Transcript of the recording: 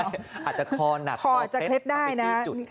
อาจจะคอหนักคอจะเคล็ดได้นะ